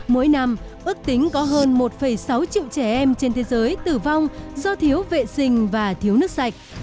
mỗi năm ước tính có hơn một sáu triệu trẻ em trên thế giới tử vong do thiếu vệ sinh và thiếu nước sạch